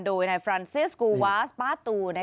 โดยฟรานซิสกูวาสปาร์ตู